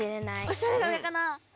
おしゃれがうえかな。